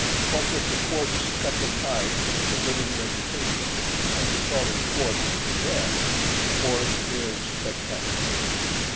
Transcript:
What with the quartz speckled hides of the living vegetation and the solid quartz of the dead, a forest is spectacular.